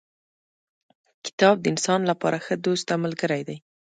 کتاب د انسان لپاره ښه دوست او ملګری دی.